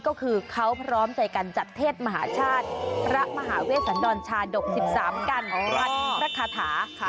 ก็คือเขาพร้อมใจกันจัดเทศมหาชาติพระมหาเวชสันดรชาดก๑๓กันวัดพระคาถา